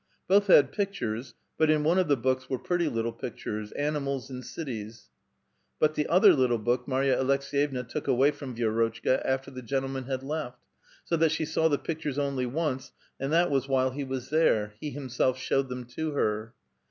Both had pictures, but in one of the books were pretty little pictures, — animals and cities, — but the other little book Marva Aleks^vevna took away from Vi^rotchka after the gentleman had left; so that she saw the pictures onl}' once, and that was while he was there ; he himself showed them to her.